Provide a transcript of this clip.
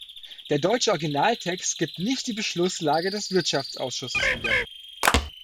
Der deutsche Originaltext gibt nicht die Beschlusslage des Wirtschaftsausschusses wieder.